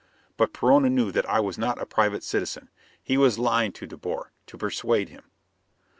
But Perona knew that I was not a private citizen. He was lying to De Boer, to persuade him.